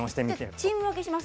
チーム分けします。